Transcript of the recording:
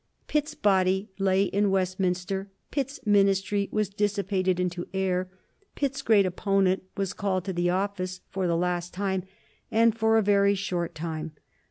Pitt's body lay in Westminster; Pitt's Ministry was dissipated into air; Pitt's great opponent was called to the office for the last time, and for a very short time.